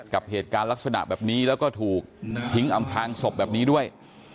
กับเหตุการณ์ลักษณะแบบนี้แล้วก็ถูกทิ้งอำพลางศพแบบนี้ด้วย